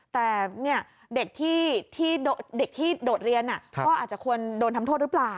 แต่เด็กที่เด็กที่โดดเรียนก็อาจจะควรโดนทำโทษหรือเปล่า